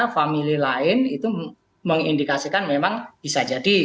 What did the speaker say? famili lain itu mengindikasikan memang bisa jadi